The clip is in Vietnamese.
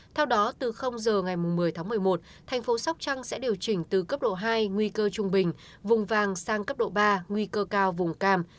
theo đó từ giờ ngày một mươi tháng một mươi một thành phố sóc trăng sẽ điều chỉnh từ cấp độ hai nguy cơ trung bình vùng vàng sang cấp độ ba nguy cơ cao vùng cam